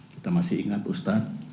kita masih ingat ustadz